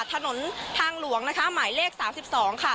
ถนนทางหลวงนะคะหมายเลขสามสิบสองค่ะ